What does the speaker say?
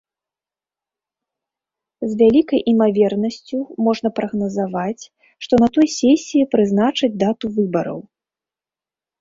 З вялікай імавернасцю можна прагназаваць, што на той сесіі прызначаць дату выбараў.